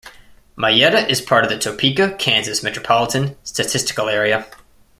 Mayetta is part of the Topeka, Kansas Metropolitan Statistical Area.